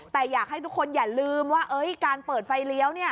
แต่อยากให้ทุกคนอย่าลืมว่าการเปิดไฟเลี้ยว